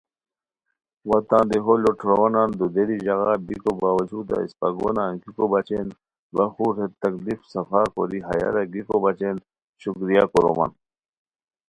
وا تان دیہو لوٹھوروانان دودیری ژاغا بیکو باوجودا اِسپہ گونہ انگیکو بچین و ا خور ہیت تکلیف صفا کوری ہیہ را گیکوبچین شکریہ کورومان